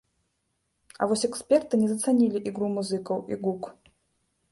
А вось эксперты не зацанілі ігру музыкаў і гук.